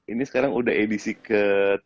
ini sekarang udah edisi ke tujuh